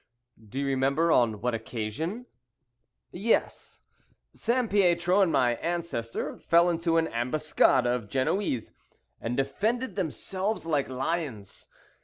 "Do you remember on what occasion?" "Yes. Sampietro and my ancestor fell into an ambuscade of Genoese, and defended themselves like lions.